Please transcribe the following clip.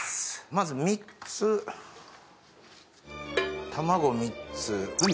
まず３つ卵３つ何？